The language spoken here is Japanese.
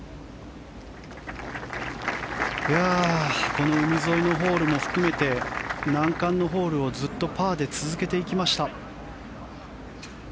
この海沿いのホールも含めて難関のホールをずっとパーで続けていきました。